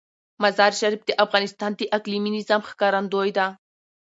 مزارشریف د افغانستان د اقلیمي نظام ښکارندوی ده.